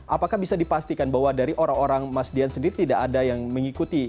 apakah bisa dipastikan bahwa dari orang orang mas dian sendiri tidak ada yang mengikuti